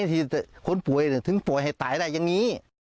ที่คนป่วยถึงป่วยให้ตายได้อย่างนี้